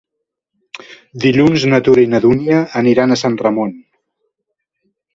Dilluns na Tura i na Dúnia aniran a Sant Ramon.